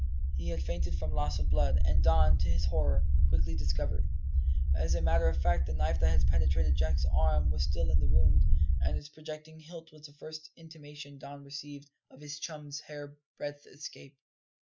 He had fainted from loss of blood, as Don, to his horror, quickly discovered. As a matter of fact, the knife that had penetrated Jack's arm was still in the wound, and its projecting hilt was the first intimation Don received of his chum's hairbreadth escape.